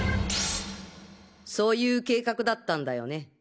そういう計画だったんだよね？